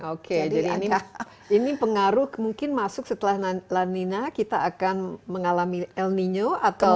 oke jadi ini pengaruh mungkin masuk setelah lanina kita akan mengalami el nino atau